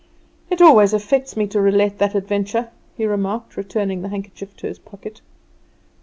"It always affects me to relate that adventure," he remarked, returning the handkerchief to his pocket.